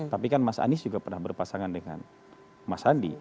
tapi kan mas anies juga pernah berpasangan dengan mas sandi